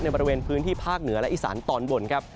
บริเวณพื้นที่ภาคเหนือและอีสานตอนบนครับ